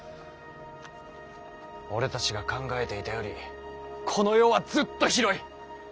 俺たちが考えていたよりこの世はずっと広い。